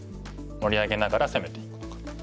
盛り上げながら攻めていくのか。